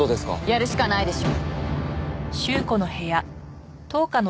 やるしかないでしょ。